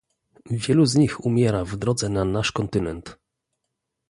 Wielu z nich umiera w drodze na nasz kontynent